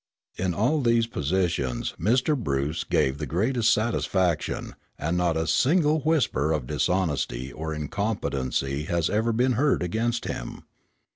In all these positions Mr. Bruce gave the greatest satisfaction, and not a single whisper of dishonesty or incompetency has ever been heard against him.